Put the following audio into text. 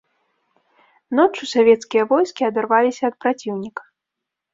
Ноччу савецкія войскі адарваліся ад праціўніка.